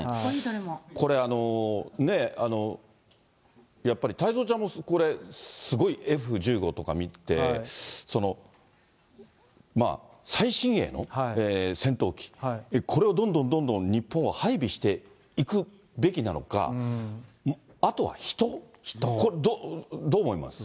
これ、やっぱり太蔵ちゃんもこれ、すごいＦ１５とか見て、最新鋭の戦闘機、これをどんどんどんどん日本は配備していくべきなのか、あとは人、これ、どう思います？